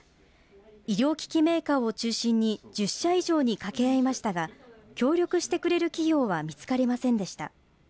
医療機器メーカーを中心に１０社以上に掛け合いましたが、協力してくれる企業は見つかりませんでした。